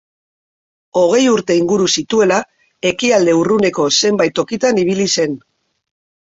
Hogei urte inguru zituela, Ekialde Urruneko zenbait tokitan ibili zen.